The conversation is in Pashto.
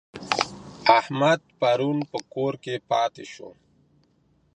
احمد پرون په کور کي پاته سو.